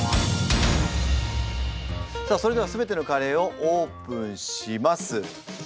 さあそれでは全てのカレーをオープンします。